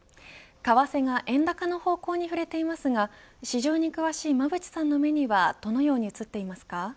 為替が円高の方向に振れていますが市場に詳しい馬渕さんの目にはどのように映っていますか。